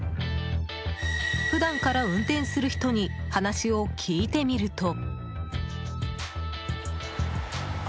普段から運転する人に話を聞いてみると。